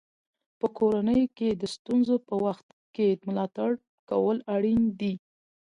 په کورنۍ کې د ستونزو په وخت کې ملاتړ کول اړین دي.